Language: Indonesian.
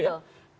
iya betul betul